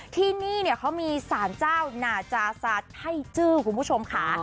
ที่นี่เขามีสารเจ้านาจาซาไพ่จื้อคุณผู้ชมค่ะ